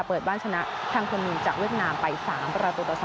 เปิดบ้านชนะทางคนมีนจากเวียดนามไป๓ประตูต่อ๒